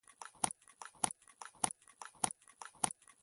زه مېوه خوړل خوښوم.